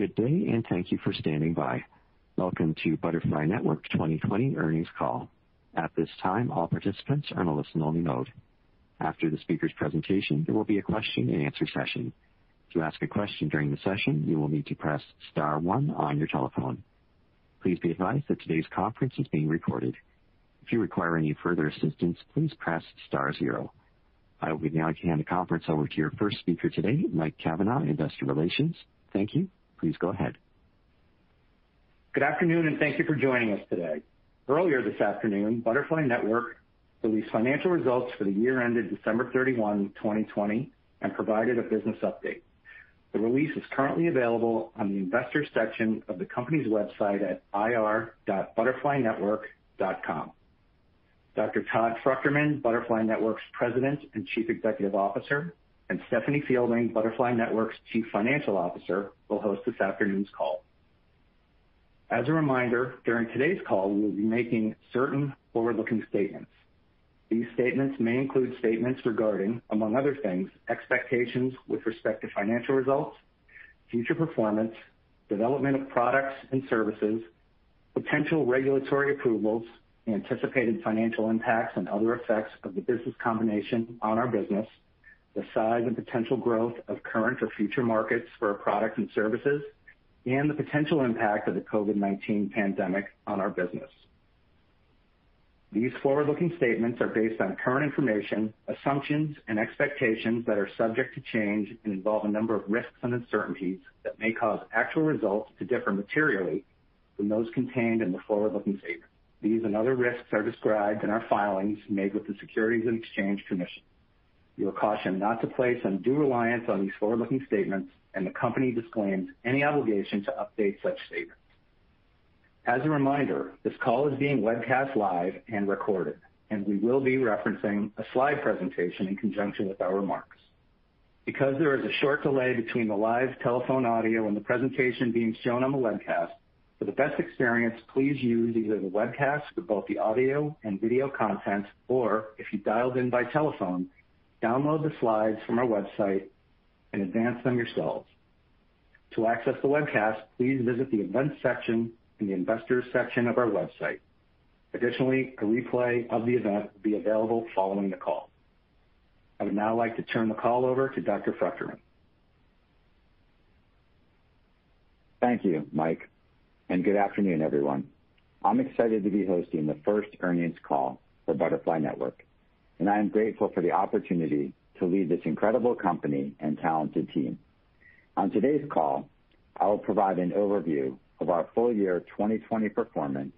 Good day, and thank you for standing by. Welcome to Butterfly Network 2020 earnings call. At this time, all participants are in a listen-only mode. After the speaker's presentation, there will be a question-and-answer session. To ask a question during the session, you will need to press star one on your telephone. Please be advised that today's conference is being recorded. If you require any further assistance, please press star zero. I will now hand the conference over to your first speaker today, Mike Cavanaugh, Investor Relations. Thank you. Please go ahead. Good afternoon, and thank you for joining us today. Earlier this afternoon, Butterfly Network released financial results for the year ended December 31, 2020, and provided a business update. The release is currently available on the Investor section of the company's website at ir.butterflynetwork.com. Dr. Todd Fruchterman, Butterfly Network's President and Chief Executive Officer, and Stephanie Fielding, Butterfly Network's Chief Financial Officer, will host this afternoon's call. As a reminder, during today's call, we'll be making certain forward-looking statements. These statements may include statements regarding, among other things, expectations with respect to financial results, future performance, development of products and services, potential regulatory approvals, anticipated financial impacts, and other effects of the business combination on our business, the size and potential growth of current or future markets for our products and services, and the potential impact of the COVID-19 pandemic on our business. These forward-looking statements are based on current information, assumptions, and expectations that are subject to change and involve a number of risks and uncertainties that may cause actual results to differ materially from those contained in the forward-looking statements. These and other risks are described in our filings made with the Securities and Exchange Commission. You are cautioned not to place undue reliance on these forward-looking statements, and the company disclaims any obligation to update such statements. As a reminder, this call is being webcast live and recorded, and we will be referencing a slide presentation in conjunction with our remarks. Because there is a short delay between the live telephone audio and the presentation being shown on the webcast, for the best experience, please use either the webcast with both the audio and video content or, if you dialed in by telephone, download the slides from our website and advance them yourselves. To access the webcast, please visit the Events section in the Investors section of our website. Additionally, a replay of the event will be available following the call. I would now like to turn the call over to Dr. Fruchterman. Thank you, Mike, good afternoon, everyone. I'm excited to be hosting the first earnings call for Butterfly Network, and I am grateful for the opportunity to lead this incredible company and talented team. On today's call, I will provide an overview of our full year 2020 performance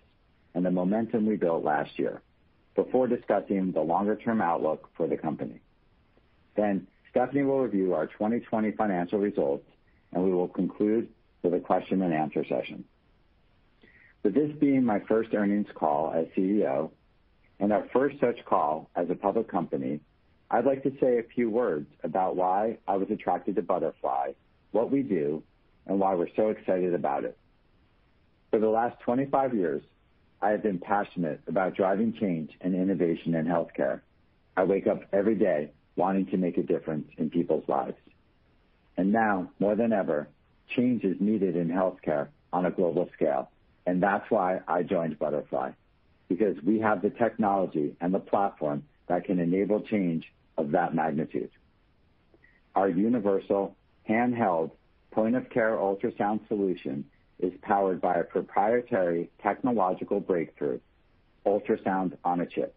and the momentum we built last year before discussing the longer-term outlook for the company. Stephanie will review our 2020 financial results, and we will conclude with a question-and-answer session. With this being my first earnings call as CEO and our first such call as a public company, I'd like to say a few words about why I was attracted to Butterfly, what we do, and why we're so excited about it. For the last 25 years, I have been passionate about driving change and innovation in healthcare. I wake up every day wanting to make a difference in people's lives. Now more than ever, change is needed in healthcare on a global scale, and that's why I joined Butterfly. Because we have the technology and the platform that can enable change of that magnitude. Our universal handheld point-of-care ultrasound solution is powered by a proprietary technological breakthrough, Ultrasound-on-Chip.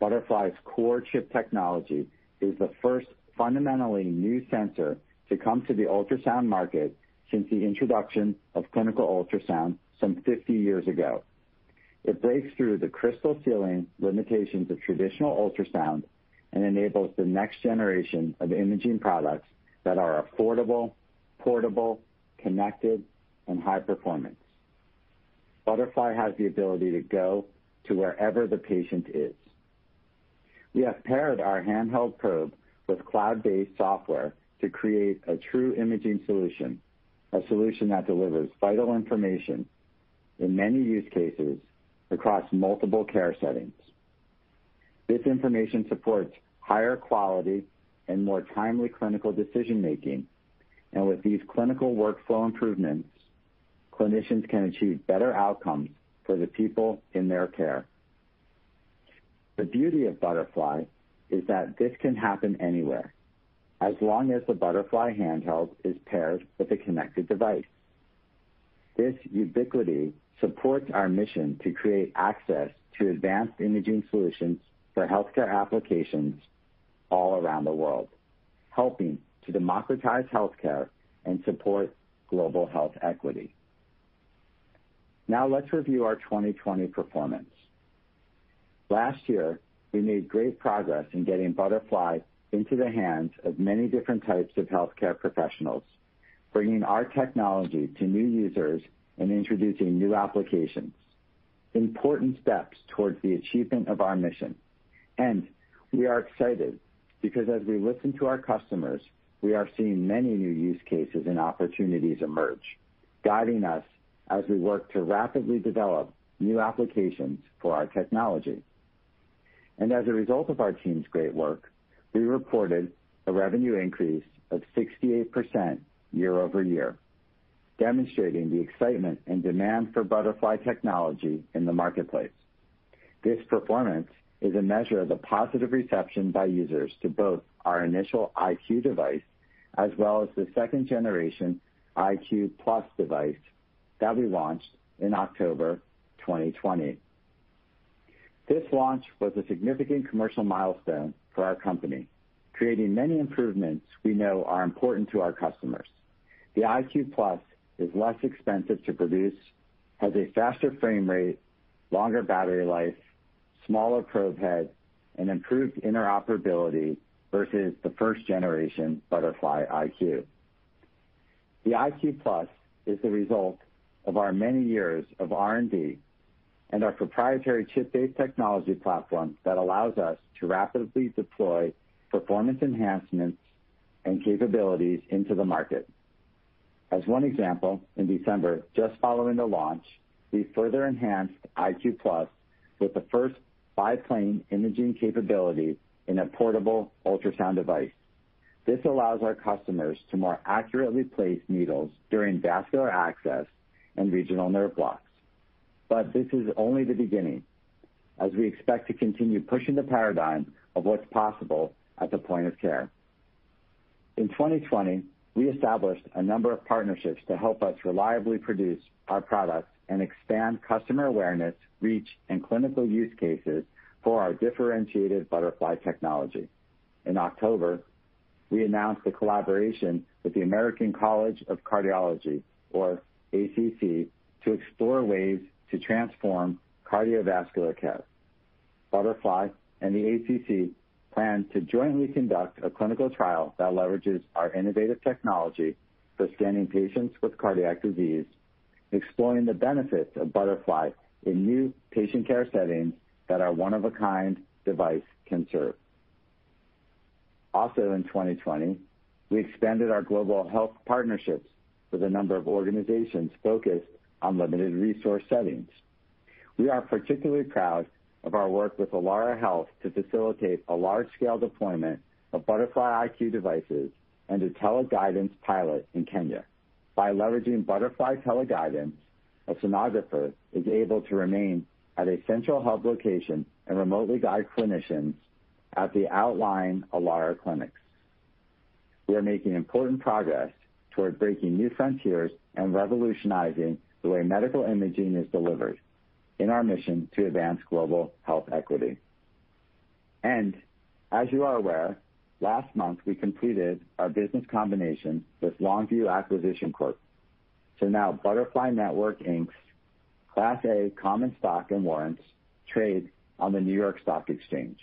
Butterfly's core chip technology is the first fundamentally new sensor to come to the ultrasound market since the introduction of clinical ultrasound some 50 years ago. It breaks through the crystal ceiling limitations of traditional ultrasound and enables the next generation of imaging products that are affordable, portable, connected, and high performance. Butterfly has the ability to go to wherever the patient is. We have paired our handheld probe with cloud-based software to create a true imaging solution, a solution that delivers vital information in many use cases across multiple care settings. This information supports higher quality and more timely clinical decision-making. With these clinical workflow improvements, clinicians can achieve better outcomes for the people in their care. The beauty of Butterfly is that this can happen anywhere, as long as the Butterfly handheld is paired with a connected device. This ubiquity supports our mission to create access to advanced imaging solutions for healthcare applications all around the world, helping to democratize healthcare and support global health equity. Let's review our 2020 performance. Last year, we made great progress in getting Butterfly into the hands of many different types of healthcare professionals, bringing our technology to new users and introducing new applications, important steps towards the achievement of our mission. We are excited because as we listen to our customers, we are seeing many new use cases and opportunities emerge, guiding us as we work to rapidly develop new applications for our technology. As a result of our team's great work, we reported a revenue increase of 68% year-over-year, demonstrating the excitement and demand for Butterfly technology in the marketplace. This performance is a measure of the positive reception by users to both our initial iQ device as well as the second generation iQ+ device that we launched in October 2020. This launch was a significant commercial milestone for our company, creating many improvements we know are important to our customers. The iQ+ is less expensive to produce, has a faster frame rate, longer battery life, smaller probe head, and improved interoperability versus the first generation Butterfly iQ. The iQ+ is the result of our many years of R&D and our proprietary chip-based technology platform that allows us to rapidly deploy performance enhancements and capabilities into the market. As one example, in December, just following the launch, we further enhanced iQ+ with the first biplane imaging capability in a portable ultrasound device. This allows our customers to more accurately place needles during vascular access and regional nerve blocks. This is only the beginning, as we expect to continue pushing the paradigm of what's possible at the point-of-care. In 2020, we established a number of partnerships to help us reliably produce our products and expand customer awareness, reach, and clinical use cases for our differentiated Butterfly technology. In October, we announced a collaboration with the American College of Cardiology, or ACC, to explore ways to transform cardiovascular care. Butterfly and the ACC plan to jointly conduct a clinical trial that leverages our innovative technology for scanning patients with cardiac disease, exploring the benefits of Butterfly in new patient care settings that our one-of-a-kind device can serve. In 2020, we expanded our global health partnerships with a number of organizations focused on limited resource settings. We are particularly proud of our work with Ilara Health to facilitate a large-scale deployment of Butterfly iQ devices and a TeleGuidance pilot in Kenya. By leveraging Butterfly TeleGuidance, a sonographer is able to remain at a central hub location and remotely guide clinicians at the outlying Ilara clinics. We are making important progress toward breaking new frontiers and revolutionizing the way medical imaging is delivered in our mission to advance global health equity. As you are aware, last month, we completed our business combination with Longview Acquisition Corp. Now Butterfly Network, Inc's Class A common stock and warrants trade on the New York Stock Exchange.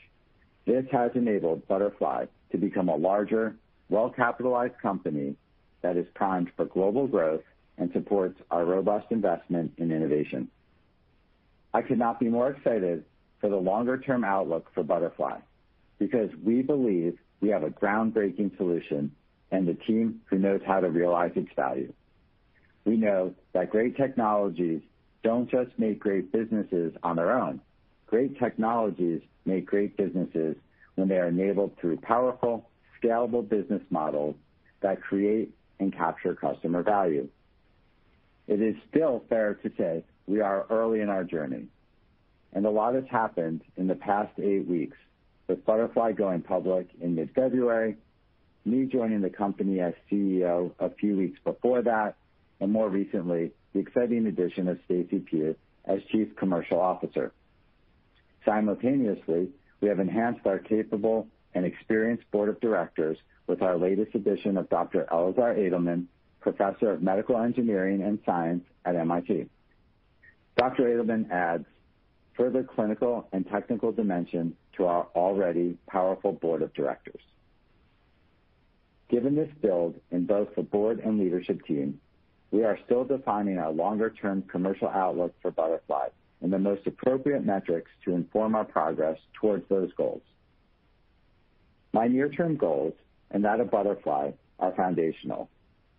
This has enabled Butterfly to become a larger, well-capitalized company that is primed for global growth and supports our robust investment in innovation. I could not be more excited for the longer-term outlook for Butterfly because we believe we have a groundbreaking solution and a team who knows how to realize its value. We know that great technologies don't just make great businesses on their own. Great technologies make great businesses when they are enabled through powerful, scalable business models that create and capture customer value. It is still fair to say we are early in our journey, and a lot has happened in the past eight weeks with Butterfly going public in mid-February, me joining the company as CEO a few weeks before that, and more recently, the exciting addition of Stacey Pugh as Chief Commercial Officer. Simultaneously, we have enhanced our capable and experienced Board of Directors with our latest addition of Dr. Elazer Edelman, Professor of Medical Engineering and Science at MIT. Dr. Edelman adds further clinical and technical dimension to our already powerful Board of Directors. Given this build in both the board and leadership team, we are still defining our longer-term commercial outlook for Butterfly and the most appropriate metrics to inform our progress towards those goals. My near-term goals, and that of Butterfly, are foundational,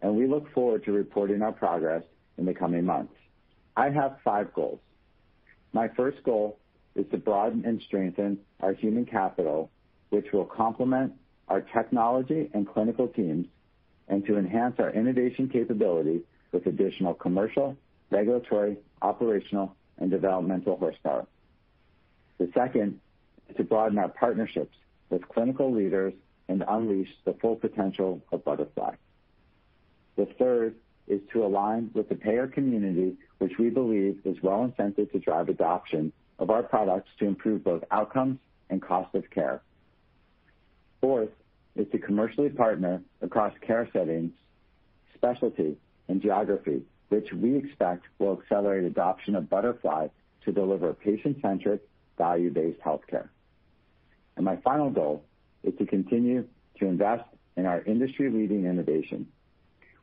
and we look forward to reporting our progress in the coming months. I have five goals. My first goal is to broaden and strengthen our human capital, which will complement our technology and clinical teams, and to enhance our innovation capability with additional commercial, regulatory, operational, and developmental horsepower. The second is to broaden our partnerships with clinical leaders and unleash the full potential of Butterfly. The third is to align with the payer community, which we believe is well-incented to drive adoption of our products to improve both outcomes and cost of care. Fourth is to commercially partner across care settings, specialty, and geography, which we expect will accelerate adoption of Butterfly to deliver patient-centric, value-based healthcare. My final goal is to continue to invest in our industry-leading innovation.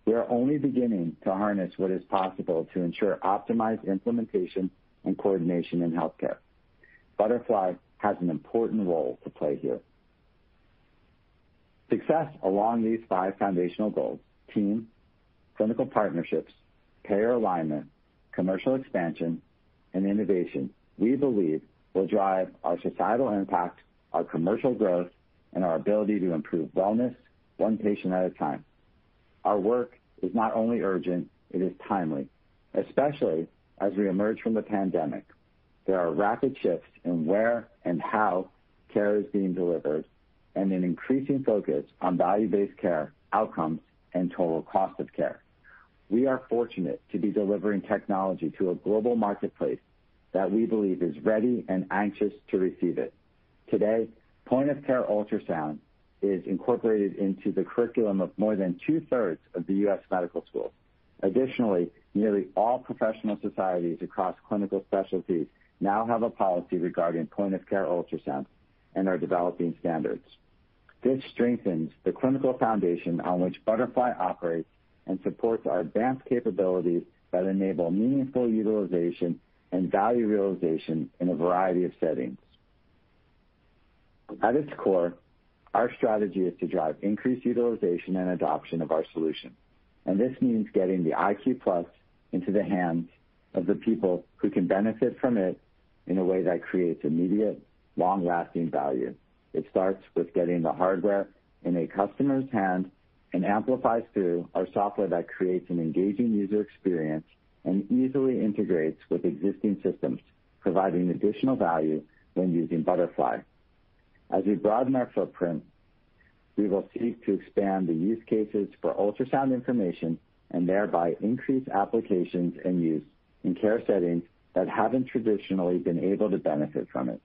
We are only beginning to harness what is possible to ensure optimized implementation and coordination in healthcare. Butterfly has an important role to play here. Success along these five foundational goals, team, clinical partnerships, payer alignment, commercial expansion, and innovation, we believe will drive our societal impact, our commercial growth, and our ability to improve wellness one patient at a time. Our work is not only urgent, it is timely, especially as we emerge from the pandemic. There are rapid shifts in where and how care is being delivered and an increasing focus on value-based care outcomes and total cost of care. We are fortunate to be delivering technology to a global marketplace that we believe is ready and anxious to receive it. Today, point-of-care ultrasound is incorporated into the curriculum of more than 2/3 of the U.S. medical schools. Additionally, nearly all professional societies across clinical specialties now have a policy regarding point-of-care ultrasound and are developing standards. This strengthens the clinical foundation on which Butterfly operates and supports our advanced capabilities that enable meaningful utilization and value realization in a variety of settings. At its core, our strategy is to drive increased utilization and adoption of our solution. This means getting the iQ+ into the hands of the people who can benefit from it in a way that creates immediate, long-lasting value. It starts with getting the hardware in a customer's hands and amplifies through our software that creates an engaging user experience and easily integrates with existing systems, providing additional value when using Butterfly. As we broaden our footprint, we will seek to expand the use cases for ultrasound information and thereby increase applications and use in care settings that haven't traditionally been able to benefit from it.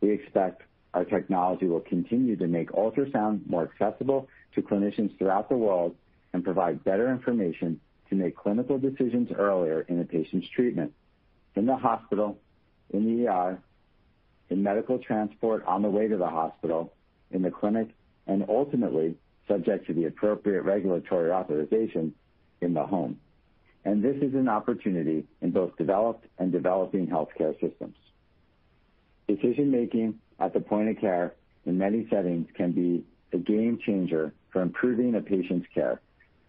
We expect our technology will continue to make ultrasound more accessible to clinicians throughout the world and provide better information to make clinical decisions earlier in a patient's treatment, in the hospital, in the ER, in medical transport on the way to the hospital, in the clinic, and ultimately, subject to the appropriate regulatory authorization, in the home. This is an opportunity in both developed and developing healthcare systems. Decision-making at the point-of-care in many settings can be a game changer for improving a patient's care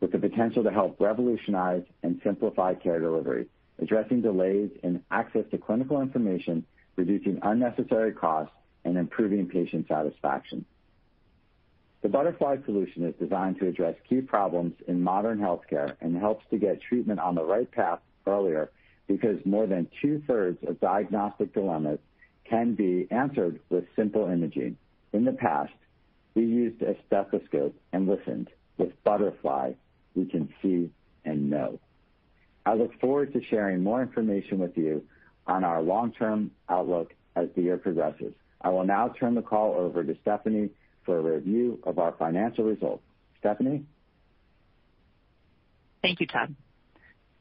with the potential to help revolutionize and simplify care delivery, addressing delays in access to clinical information, reducing unnecessary costs, and improving patient satisfaction. The Butterfly solution is designed to address key problems in modern healthcare and helps to get treatment on the right path earlier because more than 2/3 of diagnostic dilemmas can be answered with simple imaging. In the past, we used a stethoscope and listened. With Butterfly, we can see and know. I look forward to sharing more information with you on our long-term outlook as the year progresses. I will now turn the call over to Stephanie for a review of our financial results. Stephanie? Thank you, Todd.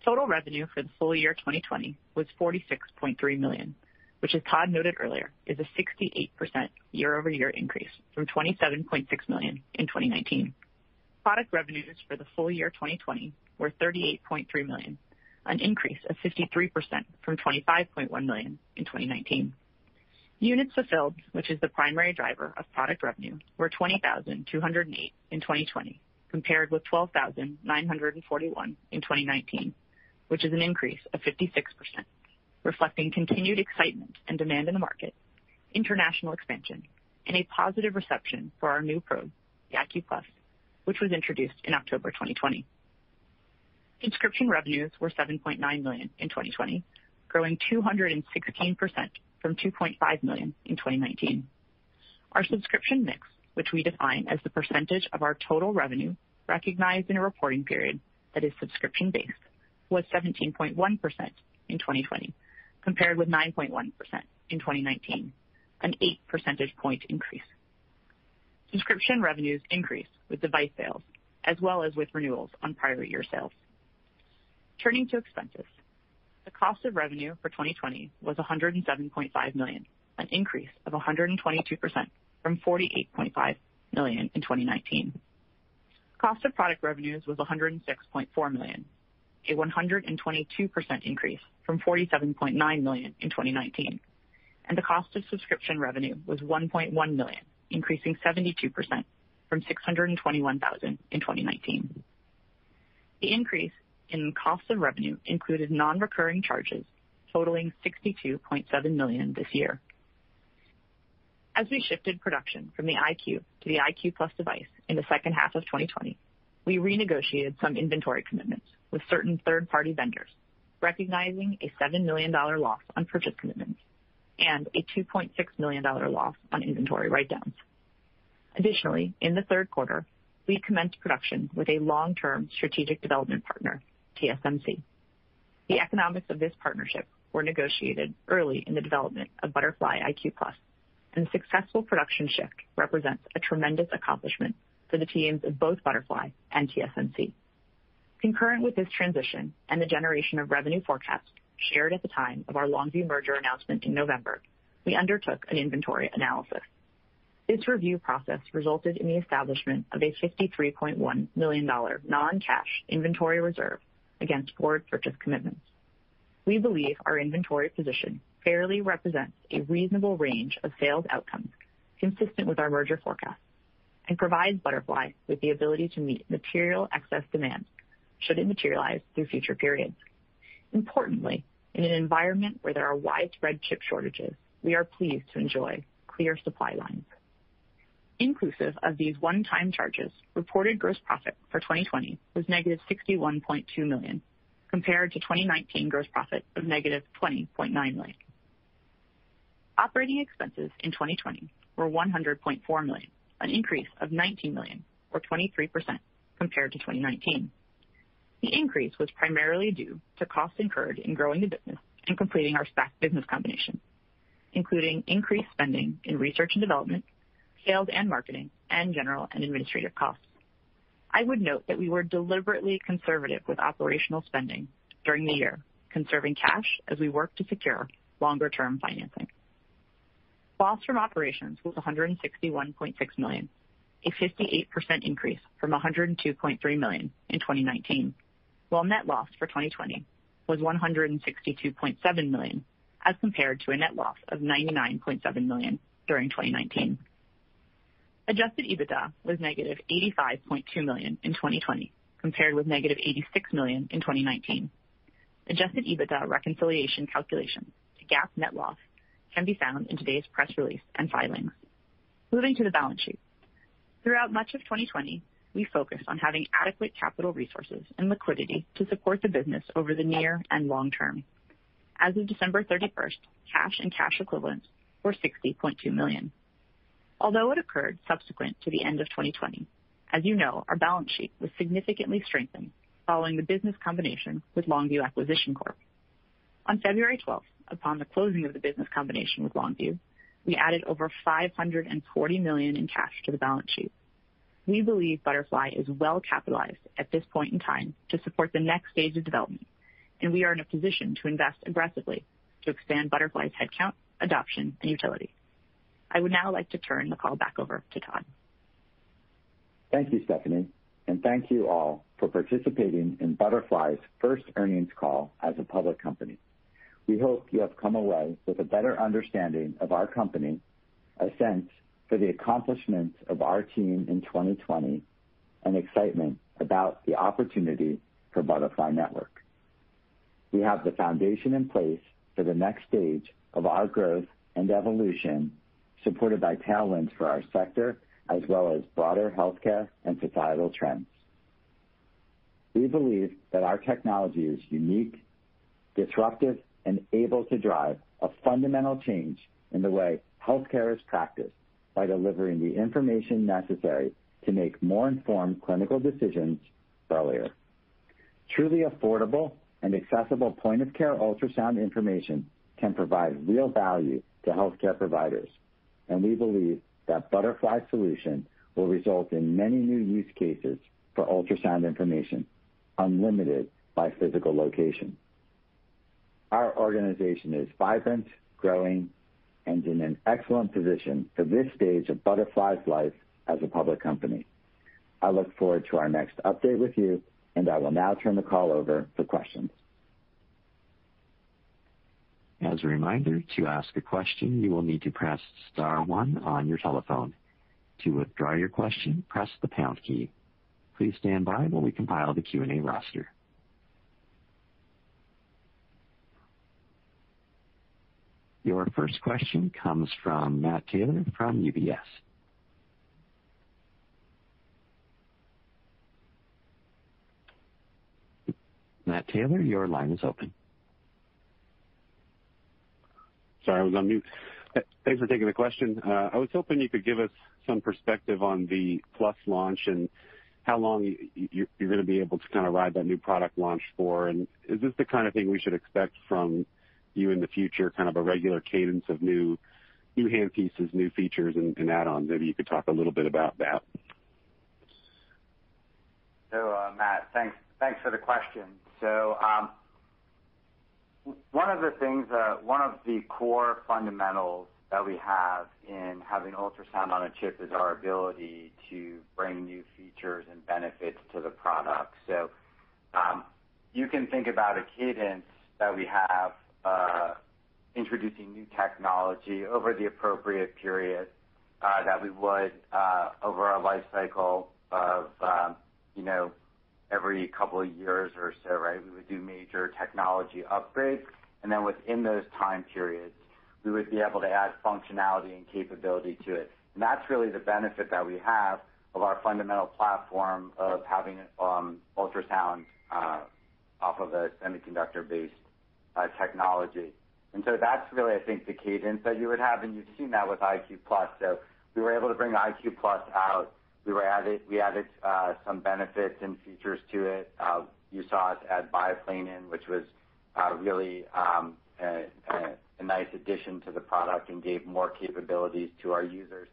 Total revenue for the full year 2020 was $46.3 million, which as Todd noted earlier, is a 68% year-over-year increase from $27.6 million in 2019. Product revenues for the full year 2020 were $38.3 million, an increase of 53% from $25.1 million in 2019. Units fulfilled, which is the primary driver of product revenue, were 20,208 in 2020 compared with 12,941 in 2019, which is an increase of 56%, reflecting continued excitement and demand in the market, international expansion, and a positive reception for our new probe, the iQ+, which was introduced in October 2020. Subscription revenues were $7.9 million in 2020, growing 216% from $2.5 million in 2019. Our subscription mix, which we define as the percentage of our total revenue recognized in a reporting period that is subscription-based, was 17.1% in 2020, compared with 9.1% in 2019, an 8 percentage point increase. Subscription revenues increased with device sales as well as with renewals on prior year sales. Turning to expenses. The cost of revenue for 2020 was $107.5 million, an increase of 122% from $48.5 million in 2019. Cost of product revenues was $106.4 million, a 122% increase from $47.9 million in 2019, and the cost of subscription revenue was $1.1 million, increasing 72% from $621,000 in 2019. The increase in cost of revenue included non-recurring charges totaling $62.7 million this year. As we shifted production from the iQ to the iQ+ device in the second half of 2020, we renegotiated some inventory commitments with certain third-party vendors, recognizing a $7 million loss on purchase commitments and a $2.6 million loss on inventory write-downs. Additionally, in the third quarter, we commenced production with a long-term strategic development partner, TSMC. The economics of this partnership were negotiated early in the development of Butterfly iQ+, and successful production shift represents a tremendous accomplishment for the teams of both Butterfly and TSMC. Concurrent with this transition and the generation of revenue forecasts shared at the time of our Longview merger announcement in November, we undertook an inventory analysis. This review process resulted in the establishment of a $53.1 million non-cash inventory reserve against forward purchase commitments. We believe our inventory position fairly represents a reasonable range of sales outcomes consistent with our merger forecast and provides Butterfly with the ability to meet material excess demand should it materialize through future periods. Importantly, in an environment where there are widespread chip shortages, we are pleased to enjoy clear supply lines. Inclusive of these one-time charges, reported gross profit for 2020 was -$61.2 million, compared to 2019 gross profit of -$20.9 million. Operating expenses in 2020 were $100.4 million, an increase of $19 million or 23% compared to 2019. The increase was primarily due to costs incurred in growing the business and completing our SPAC business combination, including increased spending in research and development, sales and marketing, and general and administrative costs. I would note that we were deliberately conservative with operational spending during the year, conserving cash as we work to secure longer-term financing. Loss from operations was $161.6 million, a 58% increase from $102.3 million in 2019, while net loss for 2020 was $162.7 million as compared to a net loss of $99.7 million during 2019. Adjusted EBITDA was -$85.2 million in 2020, compared with -$86 million in 2019. Adjusted EBITDA reconciliation calculation to GAAP net loss can be found in today's press release and filing. Moving to the balance sheet. Throughout much of 2020, we focused on having adequate capital resources and liquidity to support the business over the near and long term. As of December 31st, cash and cash equivalents were $60.2 million. Although it occurred subsequent to the end of 2020, as you know, our balance sheet was significantly strengthened following the business combination with Longview Acquisition Corp. On February 12th, upon the closing of the business combination with Longview, we added over $540 million in cash to the balance sheet. We believe Butterfly is well capitalized at this point in time to support the next stage of development, and we are in a position to invest aggressively to expand Butterfly's headcount, adoption, and utility. I would now like to turn the call back over to Todd. Thank you, Stephanie, and thank you all for participating in Butterfly's first earnings call as a public company. We hope you have come away with a better understanding of our company, a sense for the accomplishments of our team in 2020, and excitement about the opportunity for Butterfly Network. We have the foundation in place for the next stage of our growth and evolution, supported by talents for our sector as well as broader healthcare and societal trends. We believe that our technology is unique, disruptive, and able to drive a fundamental change in the way healthcare is practiced by delivering the information necessary to make more informed clinical decisions earlier. Truly affordable and accessible point-of-care ultrasound information can provide real value to healthcare providers, and we believe that Butterfly's solution will result in many new use cases for ultrasound information, unlimited by physical location. Our organization is vibrant, growing, and in an excellent position for this stage of Butterfly's life as a public company. I look forward to our next update with you, and I will now turn the call over for questions. As a reminder, to ask a question, you will need to press star one on your telephone. To withdraw your question, press the pound key. Please stand by while we compile the Q&A roster. Your first question comes from Matt Taylor from UBS. Matt Taylor, your line is open. Sorry, I was on mute. Thanks for taking the question. I was hoping you could give us some perspective on the iQ+ launch and how long you're going to be able to kind of ride that new product launch for, and is this the kind of thing we should expect from you in the future, kind of a regular cadence of new hand pieces, new features, and add-ons? Maybe you could talk a little bit about that. Matt, thanks for the question. One of the core fundamentals that we have in having Ultrasound-on-Chip is our ability to bring new features and benefits to the product. You can think about a cadence that we have introducing new technology over the appropriate period, that we would, over a life cycle of every couple of years or so, right. We would do major technology upgrades, and then within those time periods, we would be able to add functionality and capability to it. That's really the benefit that we have of our fundamental platform of having ultrasound off of a semiconductor-based technology. That's really, I think, the cadence that you would have, and you've seen that with iQ+. We were able to bring iQ+ out. We added some benefits and features to it. You saw us add biplane in, which was really a nice addition to the product and gave more capabilities to our users.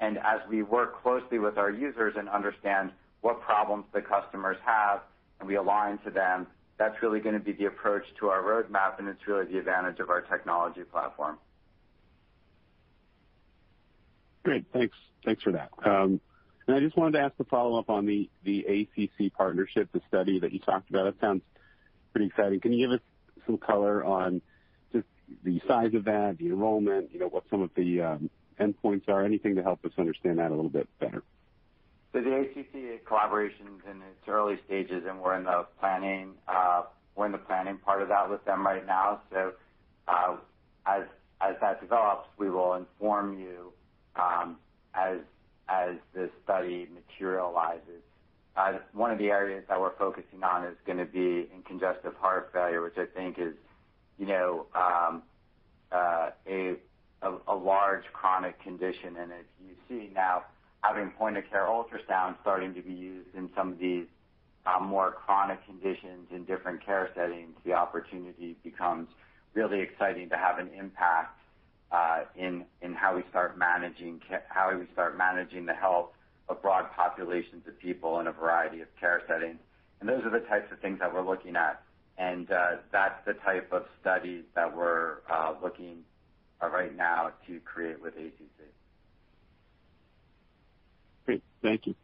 As we work closely with our users and understand what problems the customers have and we align to them, that's really going to be the approach to our roadmap, and it's really the advantage of our technology platform. Great. Thanks for that. I just wanted to ask a follow-up on the ACC partnership, the study that you talked about. That sounds pretty exciting. Can you give us some color on just the size of that, the enrollment, what some of the endpoints are? Anything to help us understand that a little bit better. The ACC collaboration is in its early stages, and we're in the planning part of that with them right now. As that develops, we will inform you as this study materializes. One of the areas that we're focusing on is going to be in congestive heart failure, which I think is a large chronic condition. As you see now, having point-of-care ultrasound starting to be used in some of these more chronic conditions in different care settings, the opportunity becomes really exciting to have an impact, in how we start managing the health of broad populations of people in a variety of care settings. Those are the types of things that we're looking at, and that's the type of studies that we're looking at right now to create with ACC. Great. Thank you.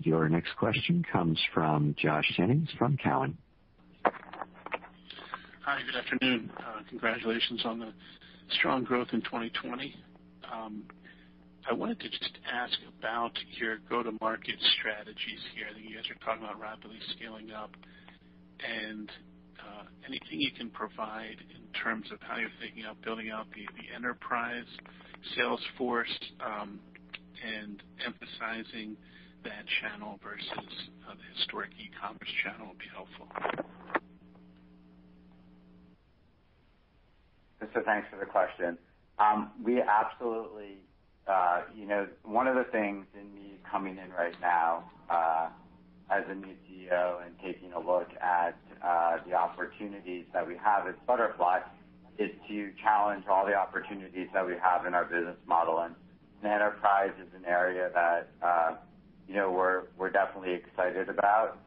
Your next question comes from Josh Jennings from Cowen. Hi. Good afternoon. Congratulations on the strong growth in 2020. I wanted to just ask about your go-to-market strategies here that you guys are talking about rapidly scaling up and anything you can provide in terms of how you're thinking of building out the enterprise sales force, and emphasizing that channel versus the historic e-commerce channel would be helpful. Thanks for the question. One of the things in me coming in right now, as a new CEO and taking a look at the opportunities that we have at Butterfly, is to challenge all the opportunities that we have in our business model. Enterprise is an area that we're definitely excited about.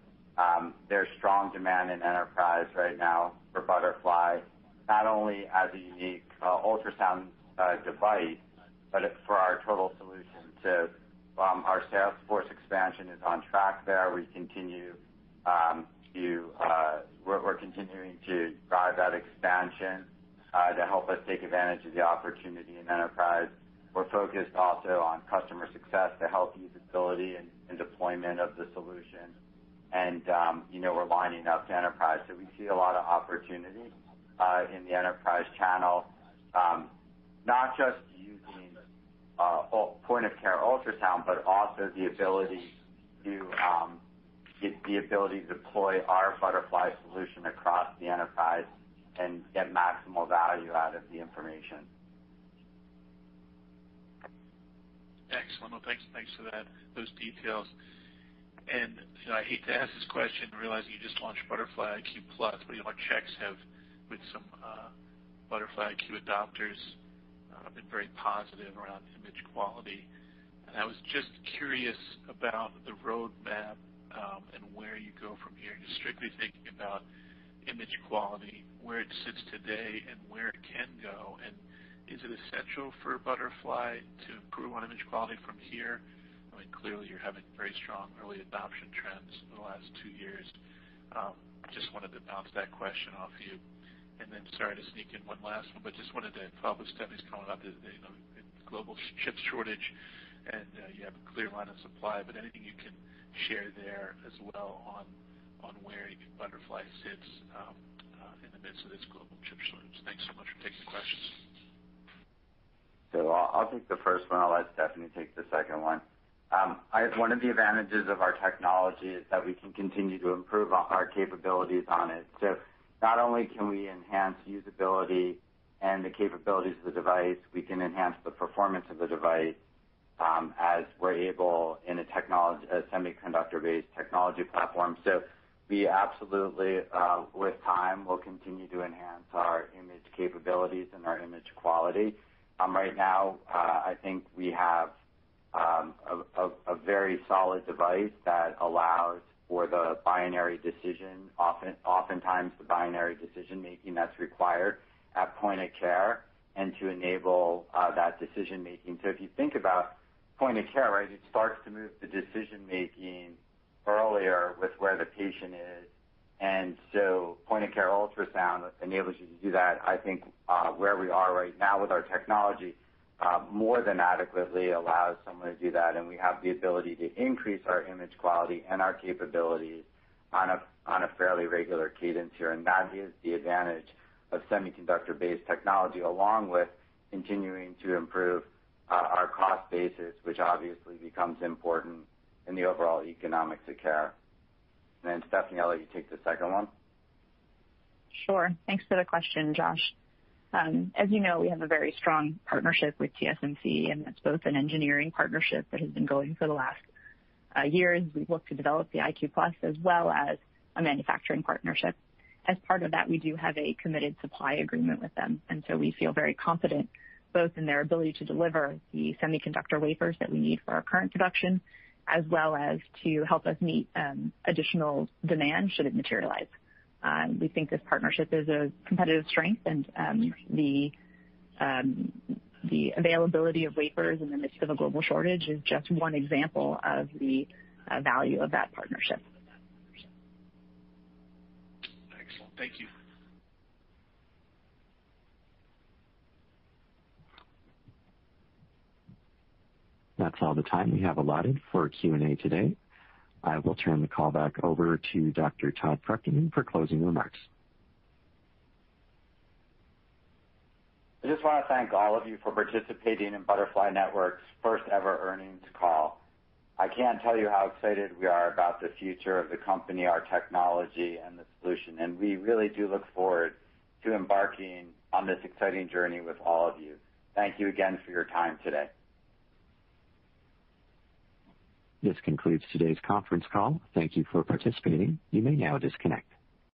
There's strong demand in enterprise right now for Butterfly, not only as a unique ultrasound device, but for our total solution too. Our sales force expansion is on track there. We're continuing to drive that expansion, to help us take advantage of the opportunity in enterprise. We're focused also on customer success to help usability and deployment of the solution. We're lining up to enterprise. We see a lot of opportunity, in the enterprise channel, not just using point-of-care ultrasound, but also the ability to deploy our Butterfly solution across the enterprise and get maximal value out of the information. Excellent. Thanks for those details. I hate to ask this question, realizing you just launched Butterfly iQ+, but our checks with some Butterfly iQ adopters have been very positive around image quality. I was just curious about the roadmap, and where you go from here, just strictly thinking about image quality, where it sits today and where it can go. Is it essential for Butterfly to improve on image quality from here? I mean, clearly you're having very strong early adoption trends over the last two years. Just wanted to bounce that question off you. Sorry to sneak in one last one, but just wanted to follow up. Stephanie's calling out the global chip shortage, and you have a clear line of supply, but anything you can share there as well on where Butterfly sits in the midst of this global chip shortage. Thanks so much for taking the questions. I'll take the first one. I'll let Stephanie take the second one. One of the advantages of our technology is that we can continue to improve our capabilities on it. Not only can we enhance usability and the capabilities of the device, we can enhance the performance of the device, as we're able in a semiconductor-based technology platform. We absolutely, with time, will continue to enhance our image capabilities and our image quality. Right now, I think we have a very solid device that allows for the binary decision, oftentimes the binary decision-making that's required at point-of-care and to enable that decision-making. If you think about point-of-care, right, it starts to move the decision-making earlier with where the patient is. Point-of-care ultrasound enables you to do that. I think where we are right now with our technology, more than adequately allows someone to do that, we have the ability to increase our image quality and our capabilities on a fairly regular cadence here. That is the advantage of semiconductor-based technology along with continuing to improve our cost basis, which obviously becomes important in the overall economics of care. Stephanie, I'll let you take the second one. Sure. Thanks for the question, Josh. As you know, we have a very strong partnership with TSMC. That's both an engineering partnership that has been going for the last years. We've worked to develop the iQ+ as well as a manufacturing partnership. As part of that, we do have a committed supply agreement with them, so we feel very confident both in their ability to deliver the semiconductor wafers that we need for our current production, as well as to help us meet additional demand should it materialize. We think this partnership is a competitive strength. The availability of wafers in the midst of a global shortage is just one example of the value of that partnership. Excellent. Thank you. That's all the time we have allotted for Q&A today. I will turn the call back over to Dr. Todd Fruchterman for closing remarks. I just want to thank all of you for participating in Butterfly Network's first ever earnings call. I can't tell you how excited we are about the future of the company, our technology, and the solution, and we really do look forward to embarking on this exciting journey with all of you. Thank you again for your time today. This concludes today's conference call. Thank you for participating. You may now disconnect.